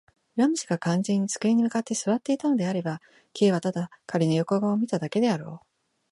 ラム氏が完全に机に向って坐っていたのであれば、Ｋ はただ彼の横顔を見ただけであろう。